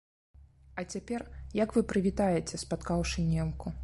А цяпер, як вы прывітаеце, спаткаўшы немку?